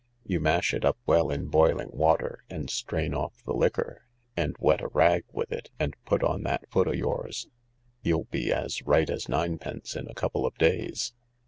You mash it up well in boiling water, and strain off the liquor, and wet a rag with it and put on that foot o' yours. You'll be as right as ninepence in a couple of days."